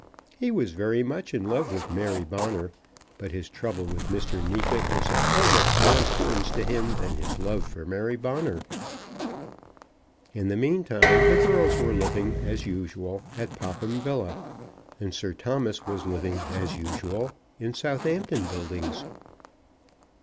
He was very much in love with Mary Bonner, but his trouble with Mr. Neefit was of almost more importance to him than his love for Mary Bonner. In the meantime the girls were living, as usual, at Popham Villa, and Sir Thomas was living, as usual, in Southampton Buildings.